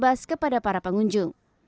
bebas kepada para pengunjung